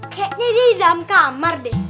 kayaknya di dalam kamar deh